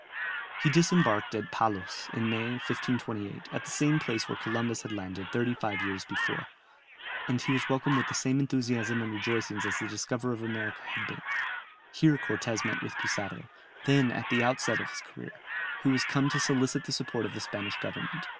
He disembarked at Palos, in May, 1528, at the same place where Columbus had landed thirty five years before, and he was welcomed with the same enthusiasm and rejoicings as the discoverer of America had been; here Cortès met with Pizarro, then at the outset of his career, who was come to solicit the support of the Spanish government.